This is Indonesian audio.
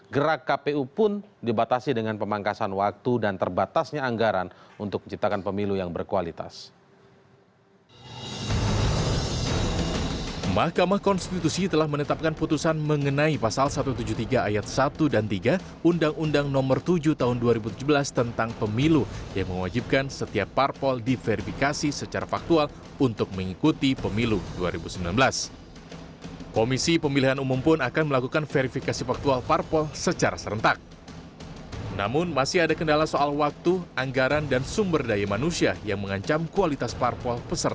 gerak kpu pun dibatasi dengan pemangkasan waktu dan terbatasnya anggaran untuk menciptakan pemilu yang berkualitas